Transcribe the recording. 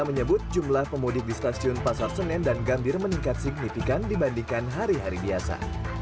menyebut jumlah pemudik di stasiun pasar senen dan gambir meningkat signifikan dibandingkan hari hari biasa